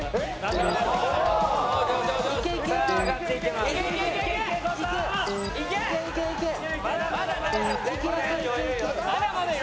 まだまだ余裕よ。